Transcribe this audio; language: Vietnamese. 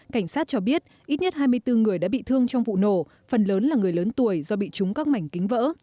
cảnh sát cho biết ít nhất hai mươi bốn người đã bị thương trong vụ nổ phần lớn là người lớn tuổi do bị trúng các mảnh kính vỡ